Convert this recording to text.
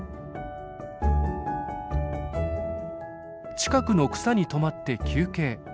近くの草に止まって休憩。